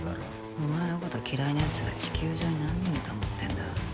お前のこと嫌いなやつが地球上に何人いると思ってんだ。